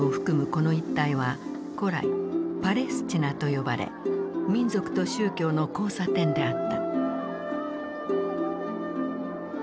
この一帯は古来パレスチナと呼ばれ民族と宗教の交差点であった。